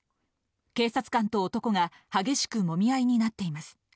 警察官と男が激しくもみ合いになっています。